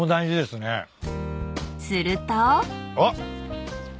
［すると］あっ。